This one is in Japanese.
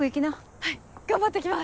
はい頑張って来ます！